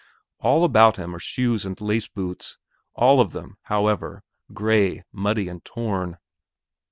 All about him are shoes and lace boots, all of them, however, gray, muddy, and torn.